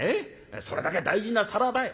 それだけ大事な皿だよ。